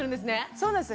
そうなんです。